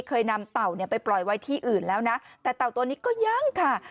เคยนำเต่าเนี่ยไปปล่อยไว้ที่อื่นแล้วนะแต่เต่าตัวนี้ก็ยังค่ะ